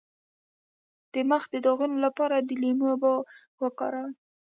د مخ د داغونو لپاره د لیمو اوبه وکاروئ